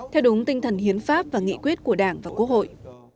theo đúng tinh thần hiến pháp và nghị quyết của đảng và quốc hội